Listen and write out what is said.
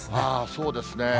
そうですね。